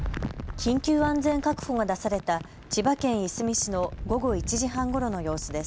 緊急安全確保が出された千葉県いすみ市の午後１時半ごろの様子です。